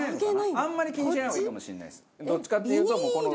あんまり気にしない方がいいかもしれないです。